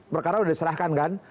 perkara sudah diserahkan kan